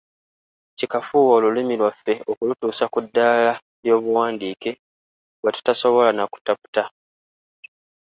Kikafuuwe olulimi lwaffe okulutuusa ku ddaala ly’obuwandiike bwe tutasobola na kutaputa.